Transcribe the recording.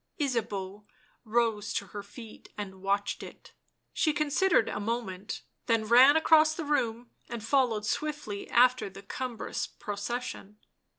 Ysabeau rose to her feet and watched it ; she considered a moment, then ran across the room and followed swiftly after the cumbrous procession.